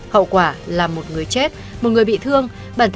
hậu quả là một người chết một người bị thương